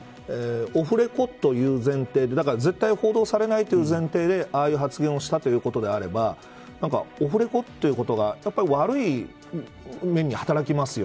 オフレコという前提でだから絶対報道されないという前提でああいう発言をしたということであればオフレコということが悪い面に働きますよ。